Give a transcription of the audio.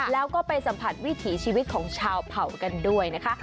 แล้วก็ไปสัมผัสวิถีชีวิตของชาวเผ่ากันด้วยนะคะ